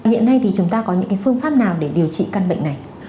hiện nay thì chúng ta có những cái phương pháp nào để điều trị căn bệnh này